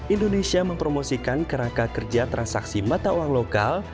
indonesia mempromosikan kerangka kerja transaksi mata uang lokal